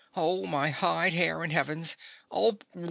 Oh, my hide, hair, and Heavens! Ulp!